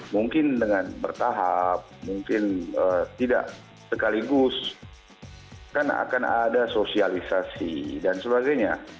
mungkin dengan bertahap mungkin tidak sekaligus kan akan ada sosialisasi dan sebagainya